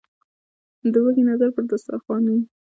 ـ د وږي نظر په دستر خوان وي.